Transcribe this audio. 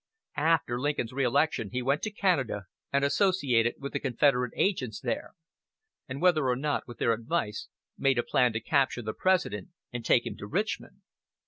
After Lincoln's reelection he went to Canada, and associated with the Confederate agents there; and whether or not with their advice, made a plan to capture the President and take him to Richmond.